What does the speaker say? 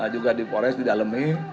juga di polres didalami